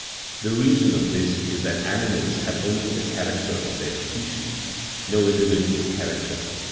The reason of this is that animals have only the character of their species, no individual character.